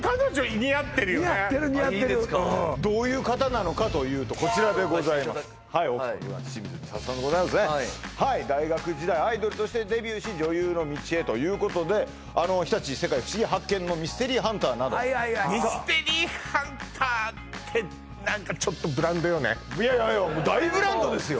似合ってる似合ってるどういう方なのかというとこちらでございます奥さま清水みさとさんでございますね大学時代アイドルとしてデビューし女優の道へということで「日立世界ふしぎ発見！」のミステリーハンターなどいやいやいや大ブランドですよ